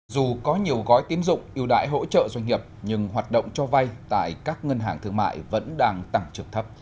dù có nhiều gói tiến dụng ưu đãi hỗ trợ doanh nghiệp nhưng hoạt động cho vay tại các ngân hàng thương mại vẫn đang tăng trưởng thấp